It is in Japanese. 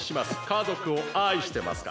家族を愛してますか？